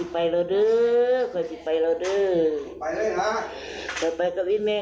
ไปแล้วไปแล้วก็ต้องกลับมา